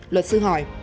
luật sư hỏi